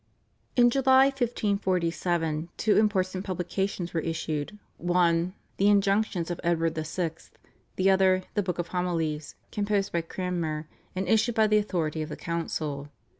In July 1547 two important publications were issued, one, /The Injunctions of Edward VI./, the other, /The Book of Homilies/, composed by Cranmer, and issued by the authority of the council.